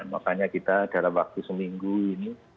makanya kita dalam waktu seminggu ini